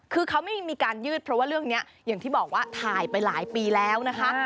คือเขาไม่มีการยืดเพราะว่าเรื่องนี้อย่างที่บอกว่าถ่ายไปหลายปีแล้วนะคะ